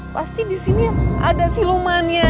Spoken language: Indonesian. pasti di sini ada silumannya